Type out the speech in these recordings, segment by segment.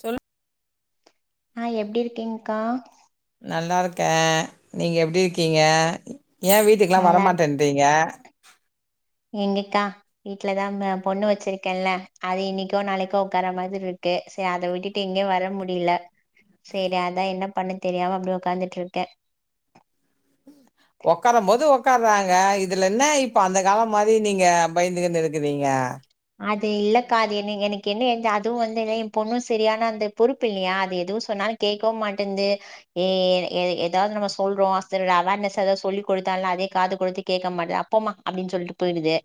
சொல் ஆ எப்படி இருக்கீங்க்கா நல்லாிருக்கேன் நீங்க எப்படி இருக்கீங்க ஏ வீட்டுக்கெல்லாம் நல்லா வரமாட்ன்றீங்க [inaudible] எங்கங்க்கா வீட்லதான் அந்த பொண்ணு வச்சிருக்கேன்ல அது இன்னைக்கோ நாளைக்கோ உட்கார மாதிரி இருக்கு சரி அத விட்டுட்டு எங்கியும் வர முடியல சரி அதான் என்ன பண்ண தெரியாம அப்படி உ்ட்காந்துட்டு இருக்கேன் ஒக்காரம்போது‌ ‌ஒக்கரா இத இதுல என்ன இப்ப அந்த காலம் மாரி நீங்க பயந்துகின்னு இருக்கிறீங்க அது இல்லக்கா அது என்னங்கிற‌ என்ன அதுவும் வந்து இ எ பொண்ணு சரியான அந்த பொறுப்பு இல்லையா அது‌ ‌எதுசொன்னாலும் கேட்கும் மாட்டிங்கிது ஏ ஏதாவது நம்ம சொல்றோம் அது அவேர்னஸ் ஏதாவது சொல்லி கொடுத்தாலாது அத காது கொடுத்து கேட்க மாட்ற அ போமா அப்படின்னு சொல்லிட்டு போயிடுது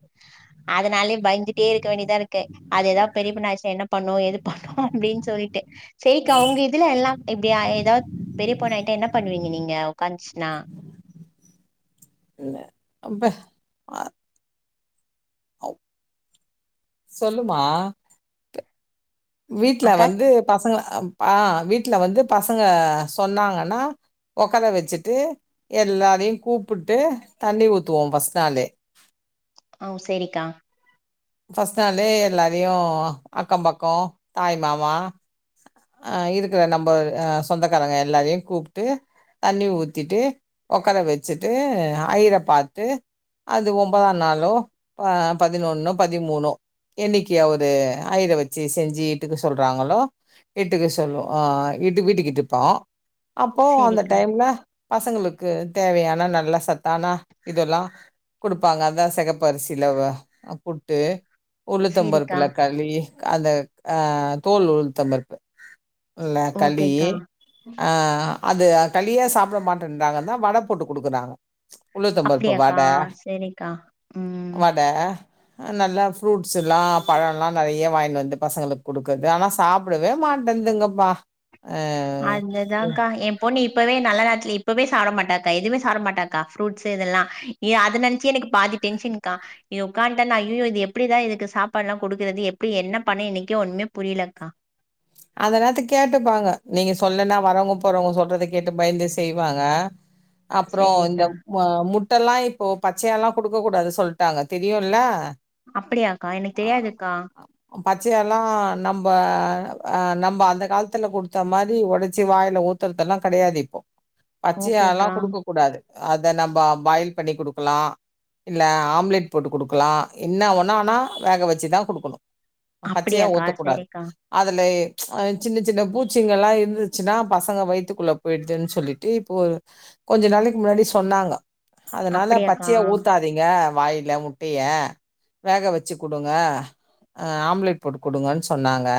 அதனால பயந்து இங்கே இருக்க வேண்டிதா இருக்கு அது ஏதாவது பெரிய பொண்ண ஆச்சு என்ன பண்ணு ஏது பண்ணு அப்டின்னு சொல்லிட்டு சேரிக்க உங்க இதுல எல்லாம் இப்டி அ ஏதோ பெரிய பொண்ணாயிட்டா என்ன பண்ணுவீங்க நீங்க உக்காஞ்சினா இல்ல அப்ப அ சொல்லுமா வீட்ல அக்கா வந்து பசங்க அ வீட்ல வந்து பசங்க சொன்னாங்கன்னா உக்கர வச்சுட்டு எல்லரையு கூப்பிட்டு தண்ணி ஊத்துவோம் ஃபர்ஸ்ட் நாளே ஒ செரிக்கா ஃபஸ்ட் நாளே எல்லாரையு அக்கபக்கோ தாய் மாமா அ இருக்கிற நம்ம அ சொந்தக்காரங்க எல்லாரையு கூப்ட்டு தண்ணி ஊத்திட்டு உக்கார வச்சுட்டு அயிர பாத்து அது ஒன்பதாம் நாளோ பதினொன்னோ பதிமூணோ என்னிக்கி அவரு ஐயர வச்சி செஞ்சி இட்டுக்க சொல்றாங்களோ இட்டுக்க சொல்லுவு அ இட்டு வீட்டுக்கிட்டுப்போம் அப்போ அந்த சரிக்கா டைம்ல பசங்களுக்கு தேவையான நல்ல சத்தான இதுல்லா கொடுப்பாங்க அதா செகப்பரிசியில புட்டு உளுத்தம் சரிக்கா பருப்புல களி அத அ தோல் உளுத்தம்பருப்பு இல்ல களி ஓகேக்கா அ அது களியா சாப்ட மாட்றாங்கன்னா வட போட்டு குடுக்குறாங்க உளுத்தம்பருப்பு அப்டியக்கா வடை செரிக்கா உம் ம் நல்லா ஃப்ரூட்ஸ் எல்லா பழம்ல்லா நெறைய வாங்கிட்டு வந்து பசங்களுக்கு குடுக்குறது ஆனா சாப்டவே மாட்டேங்கதுப்பா அந்த ‌ இதாக்கா என் பொண்ணு இப்பவே நல்ல நேரத்துல இப்பவே சாப்ப மாட்டாக்கா எதுமே சாப்ப மாட்டாக்கா ஃப்ரூட்ஸ் இதெல்லா எ அத நினைச்சே எனக்கு பாதி டென்ஷன் க்கா இது உட்காந்துட்டா நா அய்யயோ இது எப்டிதான் இதுக்கு சாப்பாடு எல்லாம் கொடுக்குறது எப்டி என்ன பண்ணி என்னக்கே ஒண்ணுமே புரியலக்கா அந்த நேரத்துக்கு கேட்டுப்பாங்க நீங்க சொல்லன்னா வரவங்க போறவங்க சொல்றத கேட்டு பயந்து செய்வாங்க அப்றோ இந்த சேரிக்கா மு முட் முட்டெல்லா இப்போ பச்சயால்லா குடுக்கக் கூடாது சொல்லிட்டாங்க தெரியும்ல அப்டியாக்கா எனக்கு தெரியாதுக்கா பச்சயால்லா நம்ப ஆ நம்ப அந்த காலத்துல குடுத்த மாரி உடைச்சி வாயில ஊத்துறதெல்லாம் கெடையாது இப்போ ஓகேக்கா பச்சயல்லாம் குடுக்க கூடாது அத நம்ம பாயில் பண்ணி குடுக்கலா இல்ல ஆம்லெட் போட்டு குடுக்கலா என்ன வொன்னா ஆனா வேக வச்சுதான் குடுக்கணு பச்சையா அப்படியாக்கா ஊத்தக்கூடாது சேரிக்கா அது லை சின்ன சின்ன பூச்சிங்கல்லா இருந்துச்சுன்னா பசங்க வயித்துக்குள்ள போயிடுதுன்னு சொல்லிட்டு இப்போ கொஞ்ச நாளைக்கு முன்னாடி சொன்னாங்க அதனால அப்படியாக்கா பச்சையா ஊத்தாதீங்க வாயில முட்டைய வேக வச்சு குடுங்க அ ஆம்லேட் போட்டு குடுங்கன்னு சொன்னாங்க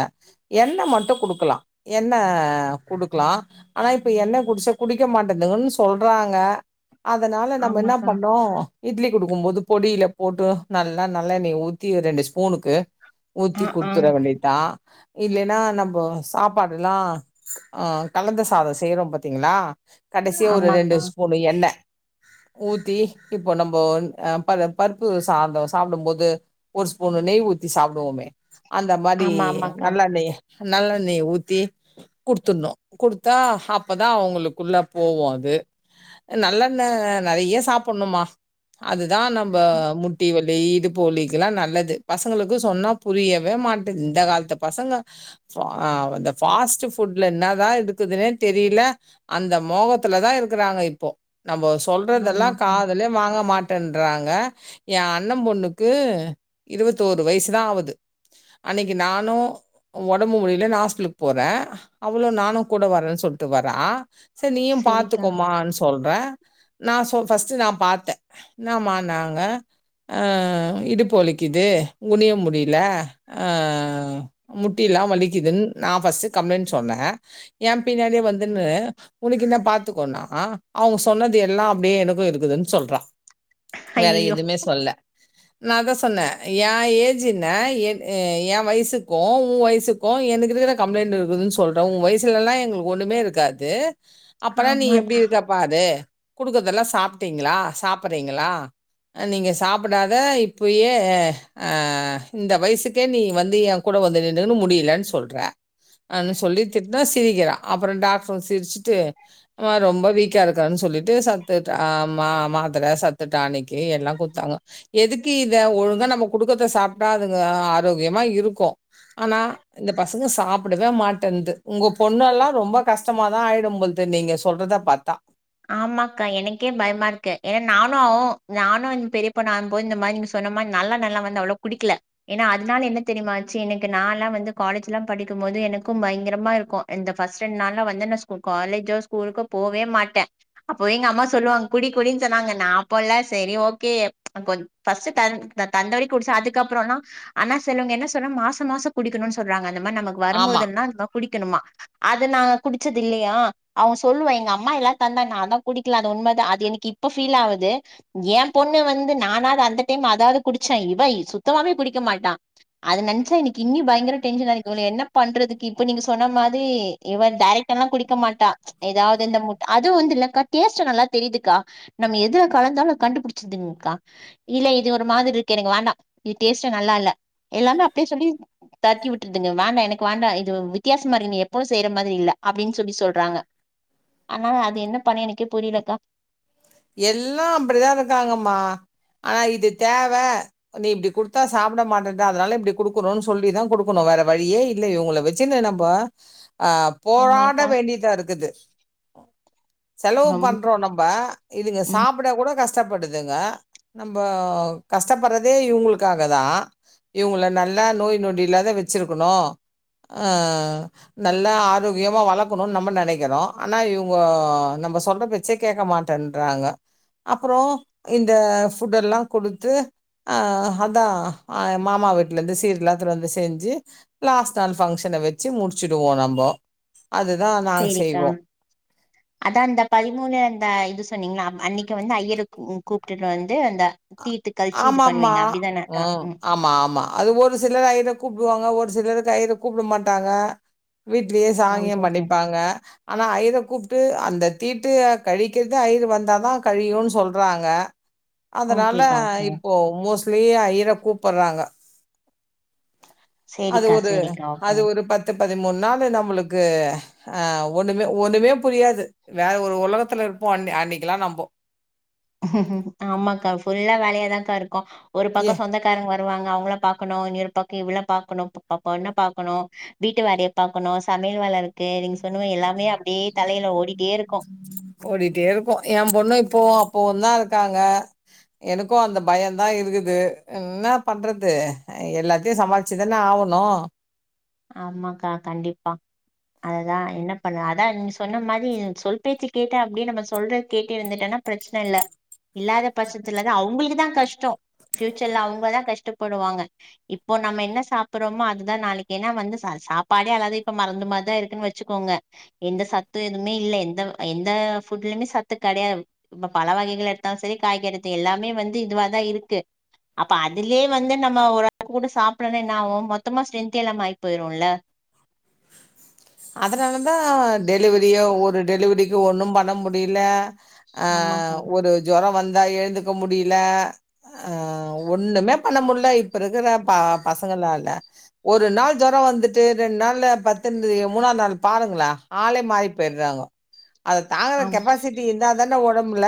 எண்ண மட்டு குடுக்லா எண்ண குடுக்லா ஆனா இப்ப எண்ண குடுச்ச குடிக்க மாட்டேந்துங்கன் சொல்றாங்க அதனால நம்ம இன்ன ஆமாக்கா பண்றோ இட்லி குடுக்கும் போது பொடியில போட்டு நல்லா நல்லெண்ணெய்ய ஊத்தி ரெண்டு ஸ்பூனுக்கு ஊத்தி ஆ ஆ குட்த்துற வேண்டியத்தா இல்லேனா நம்போ சாப்பாடுலா அ கலந்த சாத செய்றோ பத் த்தீங்ளா கடைசியா ஒரு ரெண்டு ஆமாக்கா ஸ்பூனு எண்ணெ ஊத்தி இப்போ நம்போ ன் அ பர பருப்பு சாதே சாப்டும் போது ஒரு ஸ்பூன்னு நெய் ஊத் த்தி சாப்புடுவோமே அந்த மாரி ஆமா ஆமாக்கா நல்லெண்ணெய்ய நல்லெண்ணெய்ய ஊத்தி குடுத்துட்ணோ குடுத்தா அப்பதா அவங்களுக்குள்ள போவோ அது அ நல்லெண்ண நறைய சாப்புட்ணுமா அது தா நம்ப முட்டி வல் தே இடுப்பு வலிக்கில்லா நல்லது பசங்களுக்கு சொன்னா புரியவே மாட்டேங் இந்த கால்த்துப் பசங்க ஃப்ப அ இந்த ஃபாஸ்ட் ஃபுட்ல என்ன தா இருக்குதுன்னே தெரியில அந்த மோகத்துலதா இருக்குறாங்க இப்போ நம்போ சொல்றதெல்லா ஆமாக்கா காதுலே வாங்க மாட் ட்டன்றாங்க என் அண்ண பொண்ணுக்கு இருவத்தோரு வயிசு தா ஆவுது அன்னைக்கு நானு ம் ஒடம்பு முடிலேன்னு ஹாஸ்பிலுக்கு போறே அவ்வளோ நானும் கூட வரறேன்னு சொல்ட்டு வரா சேர் நீயும் சேரிக்கா பாத்துக்கோம்மான் ஸ் சொல்ற நா சொ ஃபர்ஸ்ட் நா பாத்த என்னமானாங்க அ இடுப்பு வலிக்குது குனிய முடில அ முட்டிலா வலிக்குதுன் நா ஃபர்ஸ்ட் கம்ப்ளைண்ட் சொன்ன எம் பின்னாலயே வந்துன்னு உனக்கு என்ன பாத்துக்கோனா அவங்க சொன்னது எல்லா அப்டியே எனக்கு இருக்குதுன்னு சொல்றா வேற ஐயையோ எதுமே சொல்ல நா அதா சொன்ன எ ஏஜ் என்ன என் எ வயிசுக் கு உ வயசுக்கு எனக்கு இருக்கிற கம்ப்ளைண்ட் இருக்குதுன்னு சொல்ற உ வயசுல எல்லா எங்குளுக்கு ஒண்ணுமே இருக்காது அப்பனா நீ ஆமாக்கா எப்பிடி இருக்கற பாரு குடுக்கறதெல்லா சாப்ட்டிங்ளா சாப்பட்றிங்களா நீங்க சாப்படாத இப்பயே அ இந்த வயசுக்கே நீ வந்து எ கூட வந்து நின்னுகுனு முடியலன் சொல்ற அனு சொல்லி திட்னா சிரிக்கிறா அப்புற டாக்டரு சிரிச்சிட்டு மா ரொம்ப வீக்கா இருக்கான் சொல்லிட்டு சத்து டா மா மாத்தர சத்து டானிக்கு எல்லா குடுத்தாங்க எதுக்கு இத ஒழுங்கா நம்ம குடுக்கறத சாப்ட்டா அதுங்க ஆரோக்கியமா இருக்கு ஆனா இந்த பசங்க சாப்படவே மாட்டேன்து உங்க பொண்ணு எல்லா ரொம்ப கஷ்டமாதா ஆயிடும்பழுது நீங்க சொல்றத பாத்தா ஆமாக்கா. நானு இந்த பெரிய பொண்ணு ஆகும் போது இந்த மாரி நீங்க சொன்ன மாரி நல்லெண்ணெலா வந்து அவ்ள குடிக்கல ஏனா அதனால என்ன தெரிமா ஆச்சு எனக்கு நாலா வந்து காலேஜ்லா படிக்கும் போது எனக்கும் பயங்கரமா இருக்கு இந்த ஃபர்ஸ்ட் ரெண்டு நாள்லா வந்து நா ஸ் காலேஜோ ஸ்கூலுக்கோ போவே மாட்ட அப்பவே எங்கம்மா சொல்லுவாங்க குடி குடின்னு சொன்னாங்க நா அப்போலா செரி ஓகே கொ ஃபர்ஸ்ட் தந் தந்தவரைக் குடிச்ச அதுக்கப்புறல்லா அன்னா சொல்லுவங்க என்ன சொல்வாங் மாச மாச குடிக்கணுன் சொல்றாங்க இந்த மாரி நமக்கு ஆமா. வரும்போதெல்லா நம்ப குடி க்கணுமா அது நாங்க குடிச்சது இல்லையா அவங் சொல்லுவா எங்க அம்மா எல்லா தந்தா நாந்தா குடிக்கல அது உண்மதா அது எனக்கு இப்ப ஃபீல் ஆவுது எம் பொண்ணு வந்து நானாது அந்த டைம் அதாது குடிச்சே இவ இ சுத்தமாவே குடிக்க மாட்டா அத நெனைச்சா எனக்கு இன்னி பயங்கர டென்சனாருக்கு இவள என்ன பண்றதுக்கு இப்ப நீங்க சொன்ன மாரி இவ டைரக்டால குடிக்க மாட்டா ஏதாது இந்த முட்ட அதுவு வந்து இல்லக்கா டேஸ்ட்டு நல்லா தெரிதுக்கா நம்ம எதுல கலந்தாலு அதுங் கண்டுபிடிச்ருதுங்க்கா இல்ல இது ஒரு மாதிரிருக்கு எனக்கு வேண்டா இது டேஸ்ட்டே நல்லால எல்லாமே அப்டியே சொல்லி தக்கி விட்ருதுங்க வேண்டா எனக்கு வேண்டா இது வித்தியாசமா இருக்கு நீ எப்பவு செய்ற மாரி இல்ல அப்டின் சொல்லி சொல்றாங்க அதனால அது என்ன பண்ண எனக்கே புரிலக்கா எல்லாம் அப்படித்தா இருக்காங்கம்மா ஆனா இது தேவை நீ இப்படி குடுத்தா சாப்பிட மாட்டேன்ட்ட அதனால இப்படி குடுக்குறோன்னு சொல்லிதான் குடுக்கணும் வேற வழியே இல்ல இவங்களை வச்சுன்னு நம்போ போராட ஆமாக்கா வேண்டியதான் இருக்குது செலவு ரொம் பண்ணுறோம் நம்ப இதுங்க ம் சாப்பிட கூட கஷ்டப்படுதுங்க நம்ம கஷ்டப்படுறதே இவங்களுக்காக தான் இவங்கள நல்லா நோய் நொடி இல்லாத வச்சிருக்கணும் ம் நல்ல ஆரோக்கியமாக வளர்க்கணுன் நம்ம நினைக்கிறோம் ஆனால் இவங்க நம்ம சொல்ற பேச்சே கேட்க மாட் டன்றாங்க அப்புறம் இந்த புட் எல்லாம் கொடுத்து அஹ் அதான் மாமா வீட்டுல இருந்து சீர்லா எடுத்துட்டு வந்து செஞ்சு லாஸ்ட் நாள் பங்க்ஷனை வச்சு முடிச்சுடுவோம் நம்ப சரிக்கா அதான் அந்த பதிமூணு அந்த இது சொன்னீங்களா அன்னைக்கு வந்து ஐயரு கூப்ட்டுட் வந் ஆமா அப்டிதானக்கா ம் ஆமா அது ஒரு சிலர் ஐயர கூப்புடுவாங்க ஒரு ஒரு சிலர் ஐயிற கூப்பிட மாட்டாங்க வீட்லயே ஓ சாங்கியம் சரி சரி பண்ணிப்பாங்க ஆனா ஐயர கூப் ட்டு அந்த தீட்டு கழிக்கிறது ஐயிரு வந்தாதான் கழியுன் சொல்றாங்க அதனால ஓகேக்கா ஓகே இப்போ மோஸ் லேயே ஐயிர கூப்படுறாங்க அது சேரிக்கா ஒரு சேரிக்கா அது ஓகேங்க ஒரு பத்து பதிமூணு நாள் நம்மளுக்கு ஆஹ் ஒண்ணுமே ஒண்ணுமே புரியாது வேற ஒரு உலகத்துல இருப்போ அன் அன்னைக்குலாம் நம்போம் ஆமாக்கா ஃபுல்லா வேலையாதான்க்கா இரு ஒரு ஏ பக்கம் சொந்தக்காரங்க வர வருவாங்க அவங்கள பாக்கணும் இன்னொரு பாக்க இவள பாக்கணும் ப ப பொண்ண பாக்கணும் வீட்டு வேலய பாக்கணும் சமையல் வேல இருக்கு நீங்க சொன்னது எல்லாமே அப்படியே தலையில ஓடிட்டே இருக்கு ஓடிட்டே இருக்கு என் பொண்ணும் இப்பவு அப்பவு தான் இருக்காங்க எனக்கும் அந்த பயம தான் இருக்குது என்ன பண்றது எல்லாத்தையு சமாளிச்சுதானே ஆவணும் ஆமாக்கா கண்டிப்பா அதுதான் என்ன பண்ணல அதான் நீ சொன்ன மாதிரி சொல் பேச்சு கேட்டேன் அப்படின்னு நம்ம சொல்றது கேட்டு இருந்துட்டேன்னா பிரச்சனை இல்ல இல்லாத பட்சத்துலதான் அவங்களுக்குதான் கஷ்டம் ஃபியூச்சர்ல அவங்கதான் கஷ்டப்படுவாங்க இப்போ நம்ம என்ன சாப்பிடுறோமோ அதுதான் நாளைக்கு ஏன்னா வந்து ச சாப்பாடே அதாவது இப்ப மருந்து மாதிரிதான் இருக்குன்னு வச்சுக்கோங்க எந்த சத்து எதுவுமே இல்ல எந்த எந்த ஃபுட்லயுமே சத்து கிடையாது இப்ப பழ வகைகள் எடுத்தாலும் சரி காய்கறி எடுத்து எல்லாமே வந்து இதுவா தான் இருக்கு அப்ப அதுலயே வந்து நம்ம ஓரளவு கூட சாப்ட்லனா என்னாவும் மொத்தமா ஸ்ட்ரென்த் த்தே இல்லாம ஆய் போயிருல அதனாலதான் டெலிவரியோ ஒரு டெலிவரிக்கு ஒன்னு பண்ண முடில ஆமாக்கா ஆஹ் ஒரு ஜொரம் வந்து எழுந்துக்க முடில ஹ ஒண்ணுமே பண்ண முடில இப்ப இருக்கிற பசங்களால ஒரு நாள் ஜொரம் வந்துட்டு ரெண்டு நாள்ள பத்துன் மூணாவது நாள் பாருங்களே ஆளே மாறி போய்டுறாங்க அதை தாங்குற ஆமா கெப்பாசிட்டி இருந்தா தான உடம் ல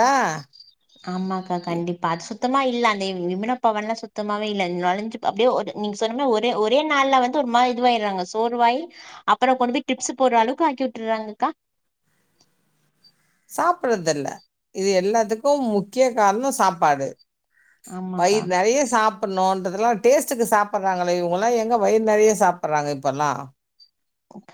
ஆமாக்கா கண்டிப்பா சுத் சுத்தமா இல்ல அந்த விமன பவன்லாம் சுத்தமாவே இல்ல நொலஞ்சு அப்படியே ஒரு நீங்க சொன்ன ஒரே ஒரே நாள்ல வந்து ஒரு மாதி இதுவாயிடுறாங்க சோர்வாயி அப்புறம் கொண்டு போய் ட்ரிப்ஸ் போட்ற அளவுக்கு ஆக்கி வுட்டுறாங்கக்கா சாப்படுறது இல்ல இது எல்லாத்துக்கும் முக்கிய காரணம் சாப்பாடு ஆமாக்கா வயிறு நிறைய சாப் பண்ணோன்றதுலா டேஸ்ட்டுக்கு சாப்பற்றாங்களே இவுங்களா எங்க வயிறு நெறைய சாப்புர்றாங்க இப்பல்லா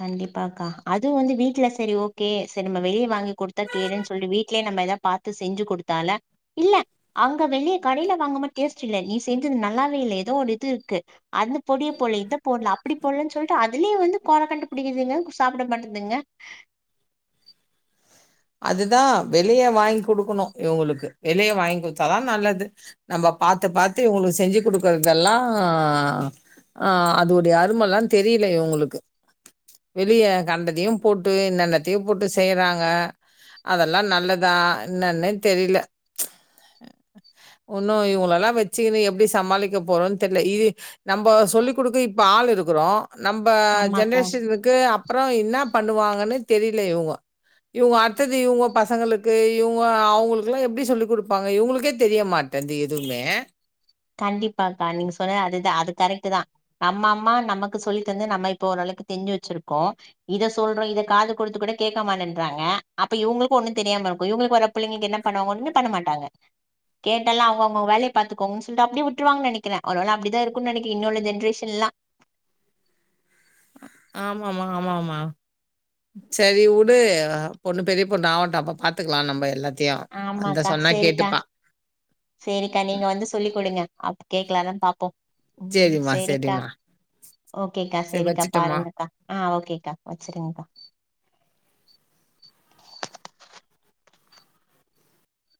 கண்டிப்பாக்கா அது வந்து வீட்டுல செரி ஓகே சரி நம்ம வெளிய வாங்கி கொடுத்தா கேடுன் சொல்லி வீட்லே நம்ம எதா பாத்து செஞ்சு குடுத்தால இல்ல அங்க வெளி கடைல வாங்க மா டேஸ்ட் இல்ல நீ செஞ்சது நல்லாவே இல்ல எதோ ஒன்னு இது இருக்கு அந்த பொடிய போலே இத போட்ல அப்டி போட்லன் சொல்ட்டு அதுலயு வந்து கொற கண்டு பிடிக்குதுங்க சாப்புட மாட்டுதுங்க அதுதா வெளிய வாங் குடுக்குணு இவுங்ளுக்கு வெளிய வாங் குடுத்தாதா நல்லது நம்ம பாத்து பாத்து இவுங்ளுக்கு செஞ்சு குடுக்குறதெல்லா ஆஹ் அதோட்ய அருமல்லா தெரில இவுங்குளுக்கு வெளிய கண்டத்தியு போட்டு என்னென்னத்தியோ போட்டு செய்றாங்க அதெல்லா நல்லதா என்னன்னே தெரில ஒன்னு இவுங்லலா வச்சுகினு எப்டி சமாளிக்க போறோன் தெர்ல இது நம்போ சொல்லி குடுக்க இப்ப ஆள் இருக்குறோ நம்ப ஆமாக்கா ஜென்ரேஷனுக்கு அப் அப்புறோ என்ன பண்ணுவாங்கன்னே தெரிலே இவ்ங்கோ இவ்கோ அட் த்தது இவ்ங்கோ பசங்களுக்கு இவ்ங்கோ அவுங்களுக்குல்லா எப்டி சொல்லி் குடுப்பாங்க இவுங்ளுக்கே தெரிய மாட் ரெண்டு எதும்மே கண்டிப்பாக்கா நீங்க சொன்ன அதுதா அது கரெக்ட்டு தா நம்மம்மா நமக்கு சொல்லி தந்து நம்ம இப்போ ஓரளக்கு தெஞ்சு வச்சிருக்கோ இத சொல்றோ இத காது கொடுத்து கூட கேக்க மாட்டேன்றாங்க அப்ப இவுங்ளுக்கு ஒண்ணுந்தெரியாம இருக்கு இவுங்குளுக்கு வர பிள்ளைங்ளுக்கு என்ன பண்ண ஒன்னு பண்ண மாட்டாங்க கேட்டால அவ்ங்கோ ஒங்கோ வேலய பாத்துக்கோ சொல்ட்டு அப்டி உட்ருவாங் நெனைக்கிற ஒருவெள அப்டிதா இருக்குன் நெனைக்கி இன்னவுள்ள ஜென்ரேஷன்ல்லா ஆமாமா ஆமா ஆமா சரி உடு அ பொண்ணு பெரிய பொண்ணு ஆவட்டு அப்ப பாத்துக்குலா நம்ப எல்லாத் ஆமாக்கா சேரிக்கா சேரிக்கா நீங்க வந்து சொல்லி் குடுங்க அப் கேக்கலான பாப்போ உம் சரிம்மா, சேரிக்கா சரிம்மா. ஓகேக்கா சரி சேரிக்கா வச்சுட்டம்மா. பாருங்கக்கா ஆஹ் ஓகேக்கா வச்சுருங்க்கா